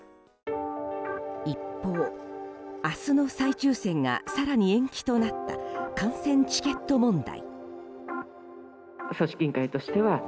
一方、明日の再抽選が更に延期となった観戦チケット問題。